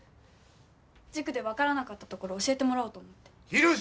塾で分からなかった所教えてもらおうと思って。